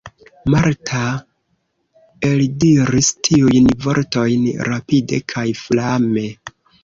Marta eldiris tiujn vortojn rapide kaj flame.